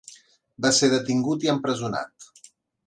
Va ser detingut i empresonat.